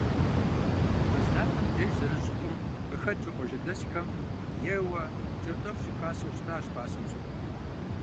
Мэз лъапэм и деж, зэрыщӏыфӏым къыхэкӏыу, къуажэдэсхэм ейуэ кӏэртӏоф щыхасэу щытащ пасэм щыгъуэ.